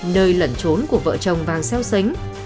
nơi lẩn trốn của vợ chồng vang xéo sánh